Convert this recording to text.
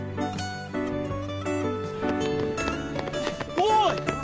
おい！